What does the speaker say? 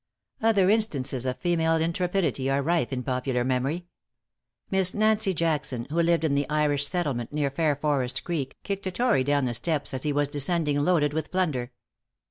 Other instances of female intrepidity are rife in popular memory. Miss Nancy Jackson, who lived in the Irish settlement near Fairforest Creek, kicked a tory down the steps as he was descending loaded with plunder.